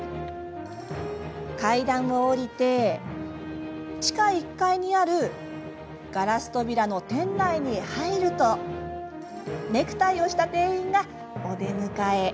階段を下りて地下１階にあるガラス扉の店内に入るとネクタイをした店員がお出迎え。